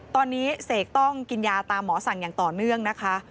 ตอนนี้เสกต้องกินยาตามหมอสั่งอย่างต่อเนื่องนะคะ